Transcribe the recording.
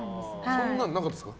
そんなのなかったですか？